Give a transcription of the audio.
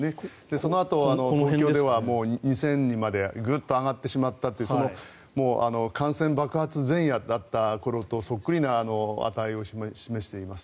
そのあと東京では２０００人までグッと上がってしまったという感染爆発前夜だった頃とそっくりな値を示しています。